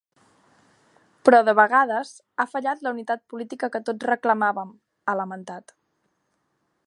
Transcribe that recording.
Però, de vegades, ha fallat la unitat política que tots reclamàvem, ha lamentat.